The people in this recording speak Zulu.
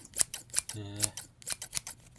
Ngiza ngoba nami ngifuna ukufunda izinto ezintsha.